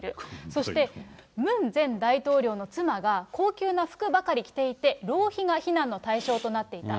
そしてムン前大統領の妻が高級な服ばかり着ていて、浪費が非難の対象となっていた。